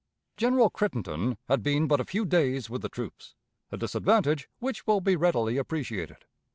General Crittenden had been but a few days with the troops, a disadvantage which will be readily appreciated.